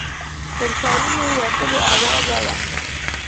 تر ښارونو یې وتلې آوازه وه